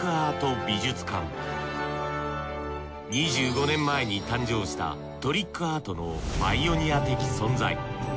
２５年前に誕生したトリックアートのパイオニア的存在。